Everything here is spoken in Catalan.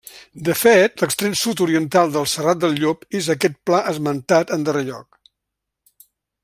De fet, l'extrem sud-oriental del Serrat del Llop és aquest pla esmentat en darrer lloc.